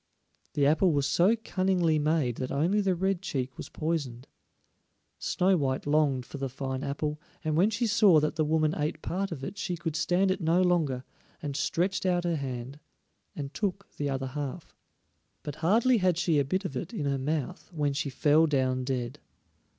The apple was so cunningly made that only the red cheek was poisoned. Snow white longed for the fine apple, and when she saw that the woman ate part of it she could stand it no longer, and stretched out her hand and took the other half. But hardly had she a bit of it in her mouth when she fell down dead.